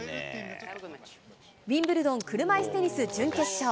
ウィンブルドン車いすテニス準決勝。